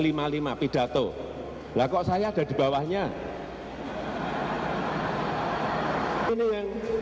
ini yang kadang kadang aduh mau saya tabok orangnya di mana